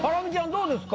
どうですか？